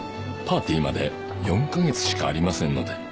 パーティーまで４カ月しかありませんので。